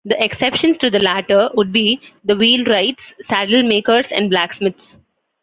The exceptions to the latter would be the wheelwrights, saddle-makers and blacksmiths.